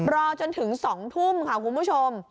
รอจนถึง๒ทุ่มค่ะคุณผู้ชม